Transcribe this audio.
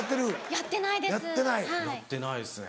やってないですね。